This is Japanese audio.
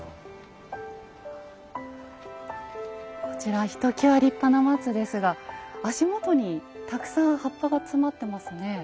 こちらひときわ立派な松ですが足元にたくさん葉っぱが詰まってますね。